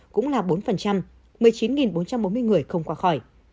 cũng là bốn một mươi chín bốn trăm bốn mươi người không qua khỏi